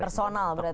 personal berarti ya